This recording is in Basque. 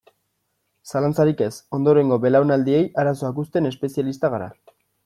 Zalantzarik ez, ondorengo belaunaldiei arazoak uzten espezialistak gara.